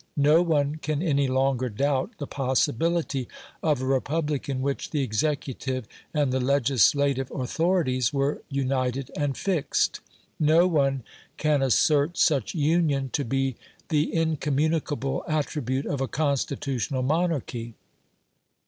No one can any longer doubt the possibility of a republic in which the executive and the legislative authorities were united and fixed; no one can assert such union to be the incommunicable attribute of a Constitutional Monarchy.